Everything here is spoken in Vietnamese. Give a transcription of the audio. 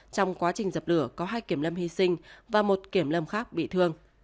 trong quá trình dập lửa có hai kiểm lâm hy sinh và một kiểm lâm khác bị thương